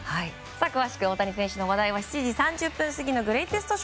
大谷選手の話題は７時３０分過ぎのグレイテスト